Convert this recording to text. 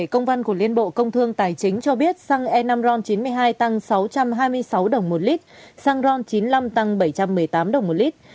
công văn của liên bộ công thương tài chính cho biết xăng e năm ron chín mươi hai tăng sáu trăm hai mươi sáu đồng một lít xăng ron chín mươi năm tăng bảy trăm một mươi tám đồng một lít